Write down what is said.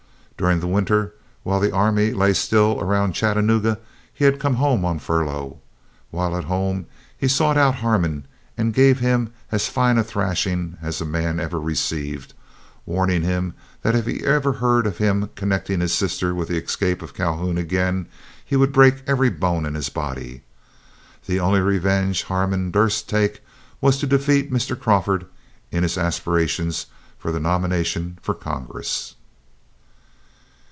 During the winter, while the army lay still around Chattanooga, he had come home on furlough. While at home he sought out Harmon and gave him as fine a thrashing as a man ever received, warning him if he ever heard of him connecting his sister with the escape of Calhoun again he would break every bone in his body. The only revenge Harmon durst take was to defeat Mr. Crawford in his aspirations for a nomination for Congress.